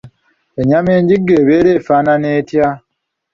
Ennyama enjigge ebeera efaanana etya?